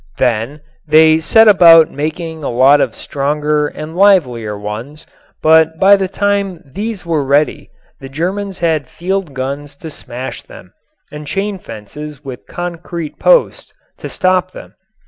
Then they set about making a lot of stronger and livelier ones, but by the time these were ready the Germans had field guns to smash them and chain fences with concrete posts to stop them.